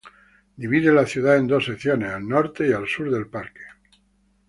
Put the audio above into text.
Divide la ciudad en dos secciones, al norte y al sur del parque.